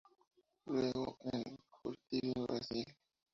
Luego en Curitiba, Brasil.